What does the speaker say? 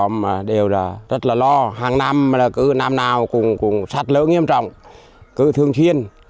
mà đều là rất là lo hàng năm là cứ năm nào cũng sạt lở nghiêm trọng cứ thương thiên